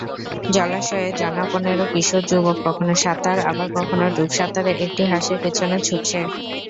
জলাশয়ে জনা পনেরো কিশোর-যুবক কখনো সাঁতার, আবার কখনো ডুবসাঁতারে একটি হাঁসের পেছনে ছুটছে।